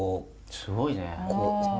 すごいね。